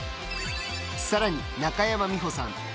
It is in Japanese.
さらに中山美穂さん